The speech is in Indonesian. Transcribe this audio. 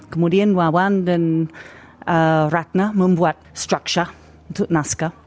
kemudian wawan dan ratna membuat structure untuk naskah